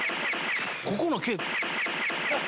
ここの毛。